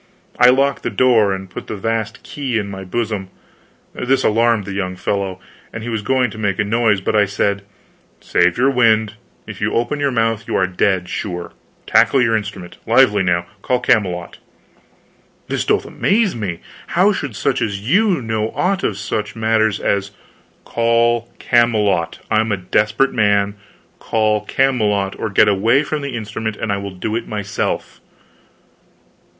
I locked the door and put the vast key in my bosom. This alarmed the young fellow, and he was going to make a noise; but I said: "Save your wind; if you open your mouth you are dead, sure. Tackle your instrument. Lively, now! Call Camelot." "This doth amaze me! How should such as you know aught of such matters as " "Call Camelot! I am a desperate man. Call Camelot, or get away from the instrument and I will do it myself."